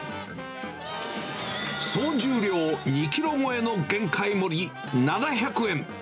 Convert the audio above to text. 総重量２キロ超えの限界盛り７００円。